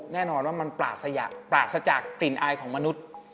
แน่นอนว่ามันปราศจากกลิ่นอายของมนุษย์